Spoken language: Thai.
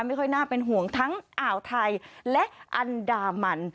ไม่ค่อยน่าเป็นห่วงทั้งอ่าวไทยและอันดามัน